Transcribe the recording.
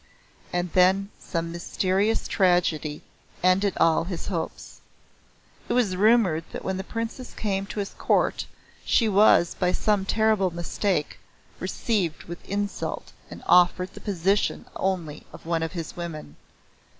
And then some mysterious tragedy ended all his hopes. It was rumoured that when the Princess came to his court, she was, by some terrible mistake, received with insult and offered the position only of one of his women.